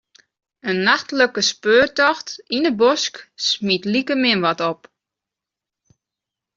In nachtlike speurtocht yn 'e bosk smiet likemin wat op.